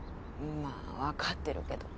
まあわかってるけど。